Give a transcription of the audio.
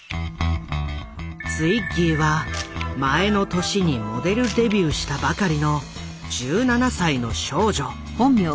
ツイッギーは前の年にモデルデビューしたばかりの１７歳の少女。